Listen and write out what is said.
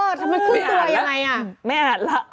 เออทำไมครึ่งตัวยังไงไม่อ่านแล้วไม่อ่านแล้ว